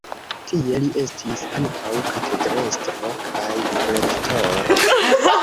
Tie li estis ankaŭ katedrestro kaj rektoro.